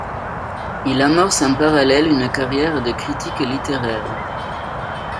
Il amorce en parallèle une carrière de critique littéraire.